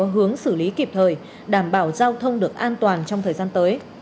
hướng xử lý kịp thời đảm bảo giao thông được an toàn trong thời gian tới